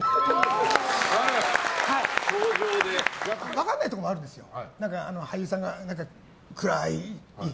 分からないところもあるんですよ。